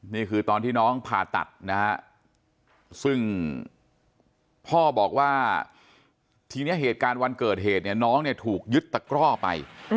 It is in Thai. นี่คือตอนที่น้องผ่าตัดนะฮะซึ่งพ่อบอกว่าทีนี้เหตุการณ์วันเกิดเหตุเนี่ยน้องเนี่ยถูกยึดตะกร่อไป